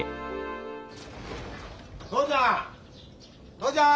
父ちゃん！